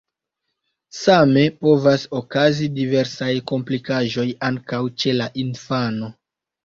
Same povas okazi diversaj komplikaĵoj ankaŭ ĉe la infano.